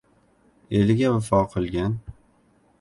Eliga vafo qilgan